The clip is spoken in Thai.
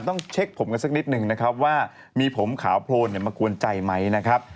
ต้องเช็คผมกันสักนิดนึงนะครับว่ามีผมขาวโพลนมากวนใจไหมนะครับ